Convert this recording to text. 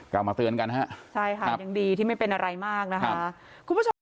กลับมาเตือนกันฮะใช่ค่ะยังดีที่ไม่เป็นอะไรมากนะคะ